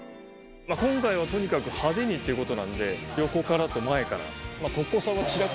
今回はとにかく派手にということなんで、横からと前から。